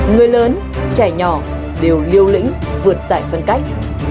người lớn trẻ nhỏ đều liêu lĩnh vượt dại phân cách